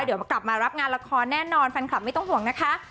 เดี๋ยวกลับมารับงานละครแน่นอนแฟนคลับไม่ต้องห่วงนะคะ